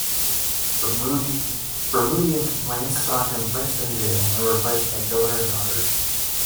Bermudian complaints saw him placed in jail, and replaced by Governor Goddard.